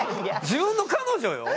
自分の彼女よ。